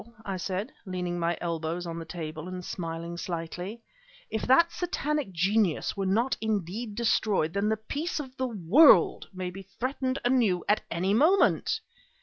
I said, leaning my elbows on the table and smiling slightly. "If that Satanic genius were not indeed destroyed, then the peace of the world, may be threatened anew at any moment!"